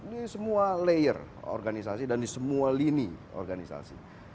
di semua layer organisasi dan di semua lini organisasi